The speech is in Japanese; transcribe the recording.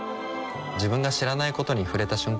自分が知らないことに触れた瞬間